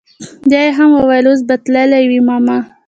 بيا يې هم وويل اوس به تلي وي ماما.